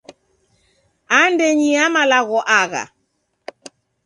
Andenyi ya malagho agha